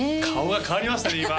顔が変わりましたね